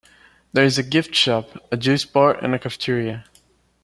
There is a gift shop, a juice bar and a cafeteria.